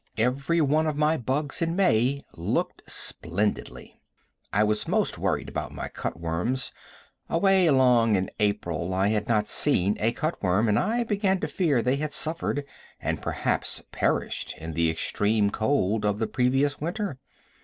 Every one of my bugs in May looked splendidly. I was most worried about my cut worms. Away along in April I had not seen a cutworm, and I began to fear they had suffered, and perhaps perished, in the extreme cold of the previous winter.